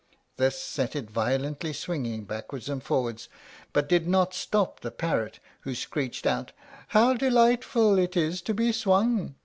This set it violently swinging backwards and forwards, but did not stop the parrot, who screeched out, "How delightful it is to be swung!"